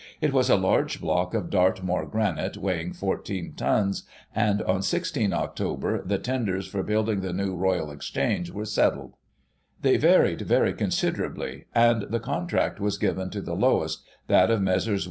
It was a large block of Dartmoor granite, weighing 14 tons; and, on 16 Oct. the tenders for building the new Royal Exchange were settled. They varied very considerably, and the con tract was given to the lowest, that of Messrs.